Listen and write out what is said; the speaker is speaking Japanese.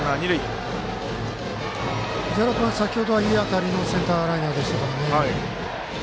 藤原君は先ほどは、いい当たりのセンターライナーでしたからね。